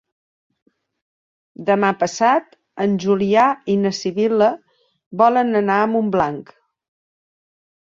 Demà passat en Julià i na Sibil·la volen anar a Montblanc.